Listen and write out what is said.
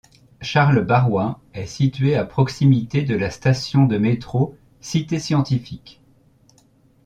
Charles-Barrois est situé à proximité de la station de métro Cité Scientifique.